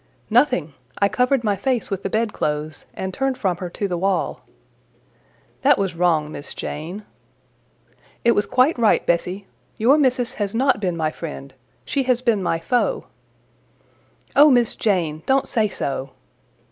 "Nothing: I covered my face with the bedclothes, and turned from her to the wall." "That was wrong, Miss Jane." "It was quite right, Bessie. Your Missis has not been my friend: she has been my foe." "O Miss Jane! don't say so!"